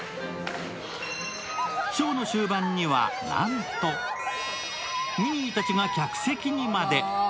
ショーの終盤にはなんとミニーたちが客席にまで。